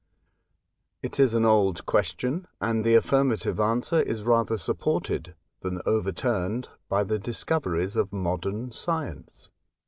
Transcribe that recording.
It is an old question, and the affirmative answer is rather supported than overturned by the discoveries of modern science.